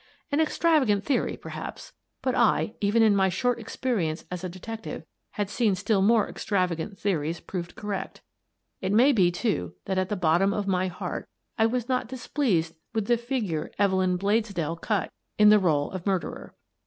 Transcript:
An extravagant theory, perhaps, but I, even in my short experience as a detective, had seen still more extravagant theories proved correct. It may be, too, that, at the bottom of my heart, I was not displeased with the figure Evelyn Bladesdell cut in !5flM' ^^^ The Woman in the Case 189 eaasaaa == i i the role of murderer.